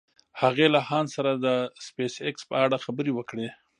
هغې له هانس سره د سپېساېکس په اړه خبرې وکړې.